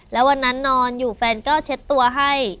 แล้ววันนั้นนอนอยู่แฟนก็เช็ดตัวให้